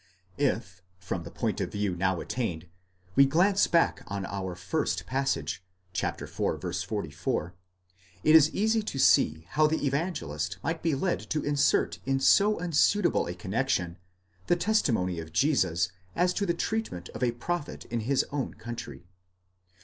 If, from the point of view now attained, we glance back on our first passage, iv. 44, it is easy to see how the Evangelist might be led to insert in so unsuit able a connexion the testimony of Jesus as to the treatment of a prophet in his own country.